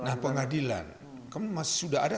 nah pengadilan kamu masih sudah ada